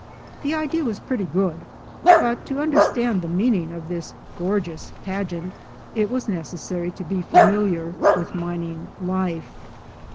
The idea was pretty good ; but to understand the meaning of this gorgeous pageant, it was necessary to be familiar with mining life.